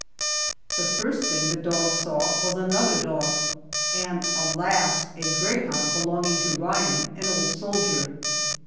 The first thing the dog saw was another dog, and alas! a greyhound belonging to Ryan, an old soldier.